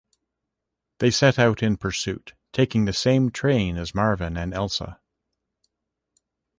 They set out in pursuit, taking the same train as Marvin and Elsa.